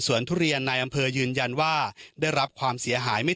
ส่วนทุเรียนในอำเภอยืนยันว่าได้รับความเสียหายไม่